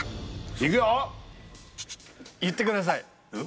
いくよ言ってください